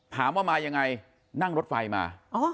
ถามว่ามายังไงนั่งรถไฟมา